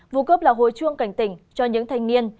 vụ cướp là hồi chuông cảnh tỉnh cho những thanh niên